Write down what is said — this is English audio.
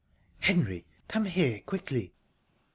"Henry, come here quickly!..."